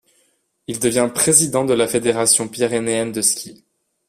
Il devient président de la Fédération pyrénéenne de ski.